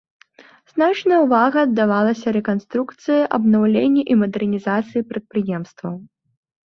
Значная ўвага аддавалася рэканструкцыі, абнаўленню і мадэрнізацыі прадпрыемстваў.